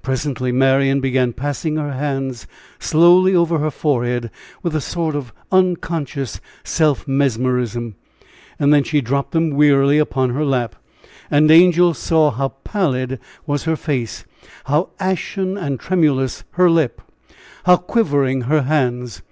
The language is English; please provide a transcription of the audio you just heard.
Presently Marian began passing her hands slowly over her forehead, with a sort of unconscious self mesmerism, and then she dropped them wearily upon her lap, and Angel saw how pallid was her face, how ashen and tremulous her lip, how quivering her hands.